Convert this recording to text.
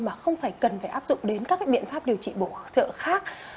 mà không phải cần phải áp dụng đến các biện pháp điều trị bổ trợ khác